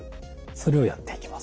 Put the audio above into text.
それをやっていきます。